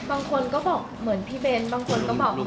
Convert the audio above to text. บางคนก็บอกเหมือนพี่เบ้นบางคนก็บอกพี่